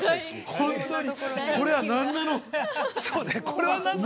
◆本当に、これは何なの？